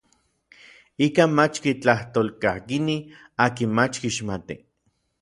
Ikan mach kitlajtolkakinij akin mach kixmatij.